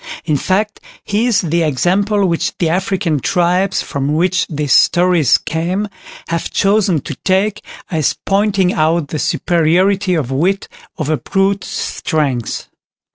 In fact, he is the example which the African tribes from which these stories came, have chosen to take as pointing out the superiority of wit over brute strength.